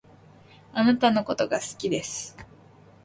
貴方のことが好きです